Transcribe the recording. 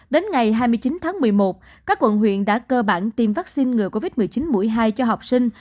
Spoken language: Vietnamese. đến ngày hai mươi chín tháng một mươi một các quận huyện đã cơ bản tiêm vaccine ngừa covid một mươi chín mũi hai cho học sinh